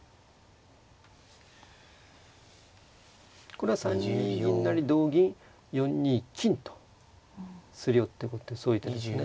これは３二銀成同銀４二金と擦り寄っていこうってそういう手ですね。